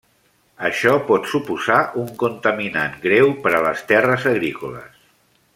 Això pot suposar un contaminant greu per a les terres agrícoles.